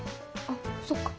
あっそっか。